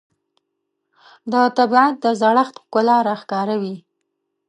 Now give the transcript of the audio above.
د طبیعت د زړښت ښکلا راښکاره وي